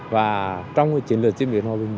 và trong chiến lược diễn biến hòa bình